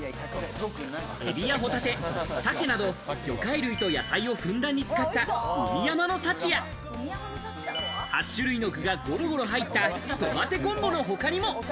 エビやホタテ、鮭など、魚介類と野菜をふんだんに使った海山の幸や８種類の具がゴロゴロ入ったトマテコンボの他にも。